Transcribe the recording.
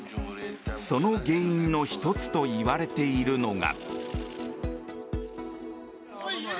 その原因の１つといわれているのが。